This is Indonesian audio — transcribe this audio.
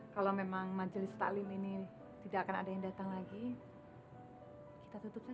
kalau memang majelis taklim ini tidak akan ada yang datang lagi kita tutup saja